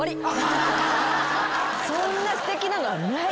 そんなすてきなのはない。